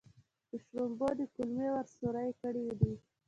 په شړومبو دې کولمې ور سورۍ کړې دي.